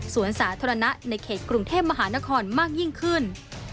สาธารณะในเขตกรุงเทพมหานครมากยิ่งขึ้น